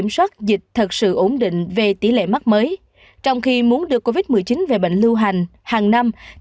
số ca nhiễm giảm nhiều nhất